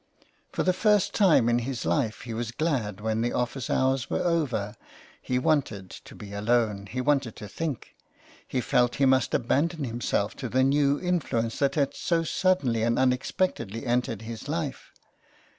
For the first time in his life he was glad when the office hours were over. He wanted to be alone, he wanted to think, he felt he must abandon himself to the new influence that had so suddenly and unexpectedly entered his life.